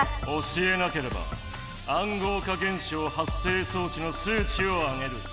教えなければ暗号化現象発生装置の数値を上げる。